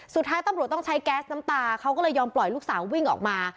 สุดท้ายตำรวจต้องใช้แก๊สน้ำตาเขาก็เลยยอมปล่อยลูกสาววิ่งออกมา